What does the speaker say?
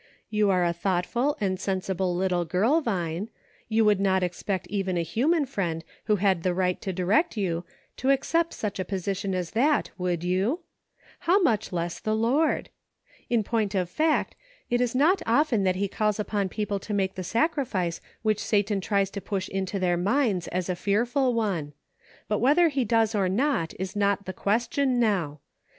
You are a thoughtful and sensible little girl. Vine ; you would not expect even a human friend who had the right to direct you, to accept such a pos ition as that, would you } How much less the Lord ? In point of fact, it is not often that he calls upon people to make the sacrifice which Satan tries to push into their minds as a fearful one ; but whether he does or not is not the question now.